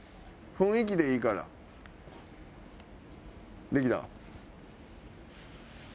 雰囲気でいいから。できた？